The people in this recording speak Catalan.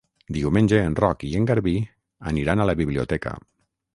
Diumenge en Roc i en Garbí aniran a la biblioteca.